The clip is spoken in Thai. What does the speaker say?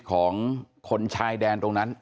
ของคนชายแดนตรงนั้น